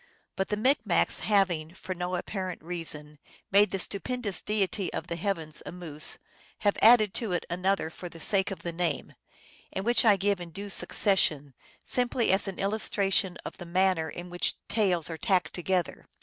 But the Micmacs having, for no apparent reacon, made the Stu pendous Deity of the Heavens a moose (Team), have added to it 308 THE ALGONQUIN LEGENDS. another for the sake of the name, and which I give in due suc cession simply as an illustration of the manner in which tales are tacked together.